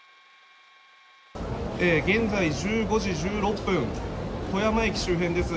現在１５時１６分、富山駅周辺です。